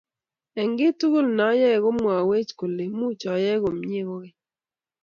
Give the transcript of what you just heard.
eng kiy tugul nayoe, komwawech kole muuch ayae komnyei kogeny